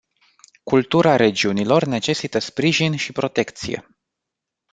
Cultura regiunilor necesită sprijin și protecție.